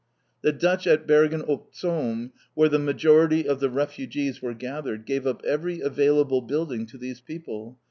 The Dutch at Bergen op Zoom, where the majority of the refugees were gathered, gave up every available building to these people.